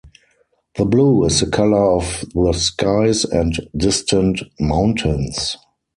The blue is the color of the skies and distant mountains.